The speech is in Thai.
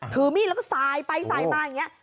ถือมีดแล้วก็สายไปสายมาอย่างนี้